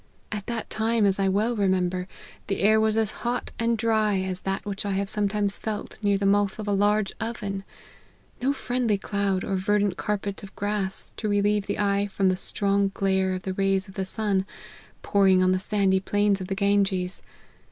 At that time, as I well remember, the air was as hot and dry as that which I have sometimes felt near the mouth of a large oven ; no friendly cloud, or ver dant carpet of grass, to relieve the eye from the strong glare of the rays of the sun, pouring on the sandy plains of the Ganges.